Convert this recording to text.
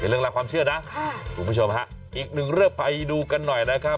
เรื่องราวความเชื่อนะคุณผู้ชมฮะอีกหนึ่งเรื่องไปดูกันหน่อยนะครับ